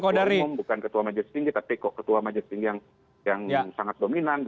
ketua umum bukan ketua majelis tinggi tapi kok ketua majelis tinggi yang sangat dominan